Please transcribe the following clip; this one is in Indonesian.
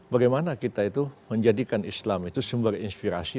bagaimana kita itu menjadikan islam itu sumber inspirasi